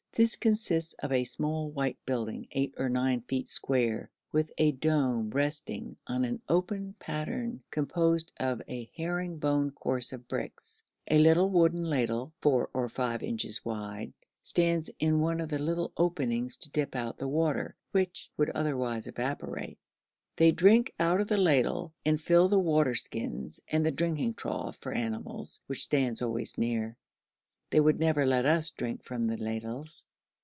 This consists of a small white building 8 or 9 feet square, with a dome resting on an open pattern composed of a herring bone course of bricks; a little wooden ladle, 4 or 5 inches wide, stands in one of the little openings to dip out the water, which would otherwise evaporate. They drink out of the ladle, and fill the water skins and the drinking trough for animals, which stands always near. They would never let us drink from the ladles.